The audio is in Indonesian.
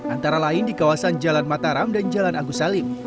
antara lain di kawasan jalan mataram dan jalan agus salim